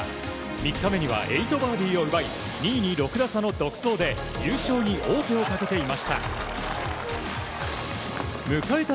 ３日目には８バーディーを奪い２位に６打差の独走で優勝に王手をかけていました。